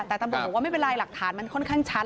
แต่ตำรวจบอกว่าไม่เป็นไรหลักฐานมันค่อนข้างชัด